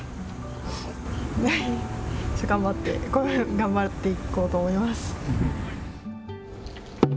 頑張っていこうと思います。